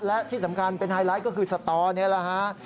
และที่สำคัญเป็นไฮไลท์ก็คือสตอนี่แหละฮะ